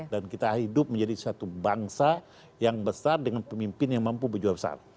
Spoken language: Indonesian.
dan kita hidup menjadi satu bangsa yang besar dengan pemimpin yang mampu berjuang besar